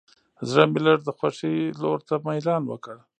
زړه مې لږ د خوښۍ لور ته میلان وکړ.